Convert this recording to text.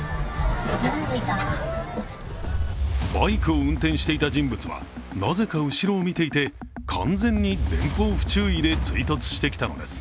バイクを運転していた人物はなぜか後ろを見ていて完全に前方不注意で追突してきたのです。